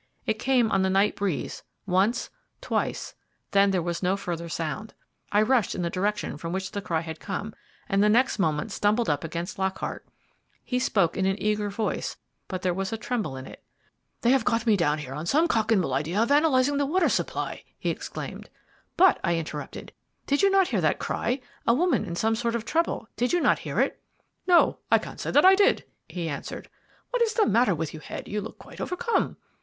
It came on the night breeze, once, twice, then there was no further sound. I rushed in the direction from which the cry had come, and the next moment stumbled up against Lockhart. He spoke in an eager voice there was a tremble in it. "They have got me down here on some cock and bull idea of analyzing the water supply," he exclaimed. "But," I interrupted, "did you not hear that cry, a woman in some sort of trouble did you not hear it?" "No, I can't say I did," he answered. "What is the matter with you, Head you look quite overcome?"